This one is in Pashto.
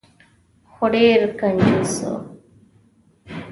خو ډیر کنجوس و.